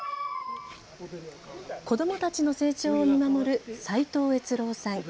子どもたちの成長を見守る齋藤悦郎さん。